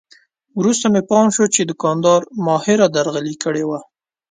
وروسته مې پام شو چې دوکاندار ماهره درغلي کړې وه.